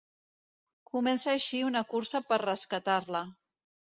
Comença així una cursa per rescatar-la.